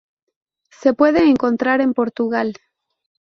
Se puede encontrar en Portugal.